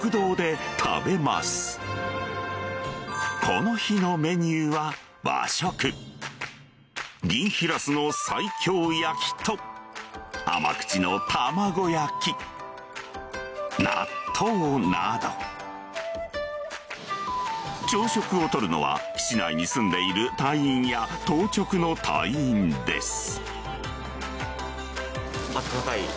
この日のメニューは甘口の朝食を取るのは基地内に住んでいる隊員や当直の隊員です